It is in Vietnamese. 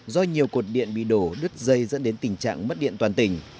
do nhiều cột điện bị đổ đứt dây dẫn đến tình trạng mất điện toàn tỉnh